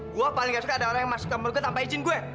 gue paling gak suka ada orang yang masuk kamar gue tanpa izin gue